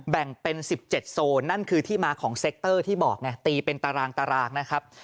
แบ่งเป็น๑๗โซนนั่นคือที่มาของเซ็กเตอร์ที่บอกไงตีเป็นตารางตารางนะครับ